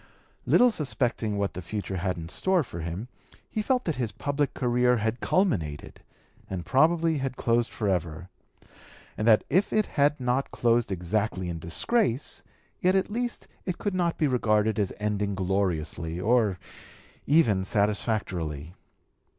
Little suspecting what the future had in store for him, he felt that his public career had culminated and probably had closed forever, and that if it had not closed exactly in disgrace, yet at least it could not be regarded as ending gloriously or even satisfactorily.